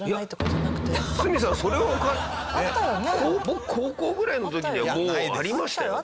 僕高校ぐらいの時にはもうありましたよ